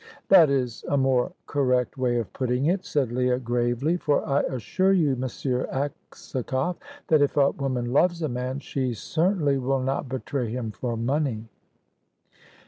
"That is a more correct way of putting it," said Leah, gravely; "for I assure you, M. Aksakoff, that if a woman loves a man, she certainly will not betray him for money."